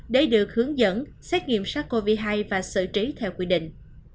để được hướng dẫn xét nghiệm sát covid một mươi chín và xử trí theo quy định